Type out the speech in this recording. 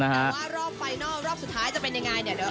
แต่ว่ารอบไฟนัลรอบสุดท้ายจะเป็นยังไงเนี่ย